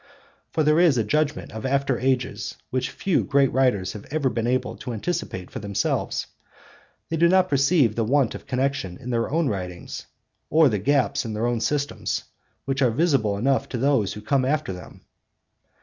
For there is a judgment of after ages which few great writers have ever been able to anticipate for themselves. They do not perceive the want of connexion in their own writings, or the gaps in their systems which are visible enough to those who come after them.